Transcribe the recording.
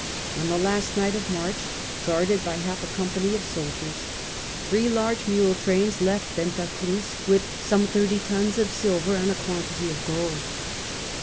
On the last night of March, guarded by half a company of soldiers, three large mule trains left Venta Cruz with some thirty tons of silver and a quantity of gold.